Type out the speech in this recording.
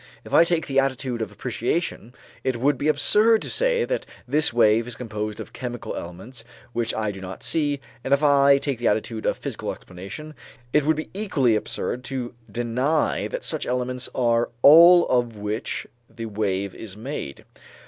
If I take the attitude of appreciation, it would be absurd to say that this wave is composed of chemical elements which I do not see; and if I take the attitude of physical explanation, it would be equally absurd to deny that such elements are all of which the wave is made.